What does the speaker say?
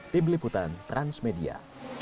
tim liputan transmedia